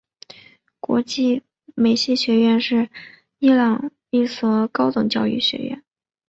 国际关系学院是伊朗一所高等教育学校。